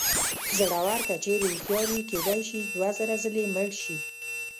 زړور که چېرې هوښیار وي کېدای شي دوه زره ځلې مړ شي.